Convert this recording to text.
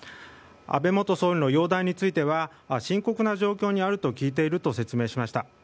安倍元総理の容体については深刻な状況にあると聞いていると説明しました。